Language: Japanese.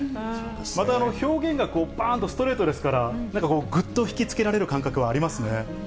また表現がばーんとストレートですから、なんかこう、ぐっと引き付けられる感覚はありますね。